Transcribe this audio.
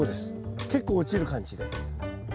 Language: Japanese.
結構落ちる感じで。